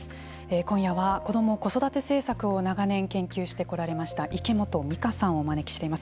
今夜は子ども・子育て政策を長年研究してこられました池本美香さんをお招きしています。